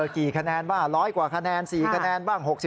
กี่คะแนนบ้าง๑๐๐กว่าคะแนน๔คะแนนบ้าง๖๐